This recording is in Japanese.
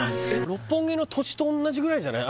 六本木の土地とおんなじぐらいじゃない？